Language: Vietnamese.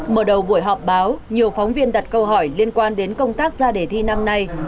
mở đầu buổi họp báo nhiều phóng viên đặt câu hỏi liên quan đến công tác ra đề thi năm nay